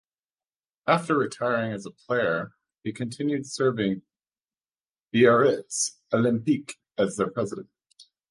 After retiring as a player, he continued serving Biarritz Olympique as their president.